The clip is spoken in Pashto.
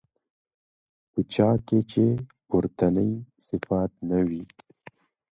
په چا كي چي پورتني صفات نه وي